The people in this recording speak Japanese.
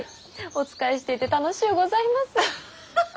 お仕えしていて楽しゅうございます。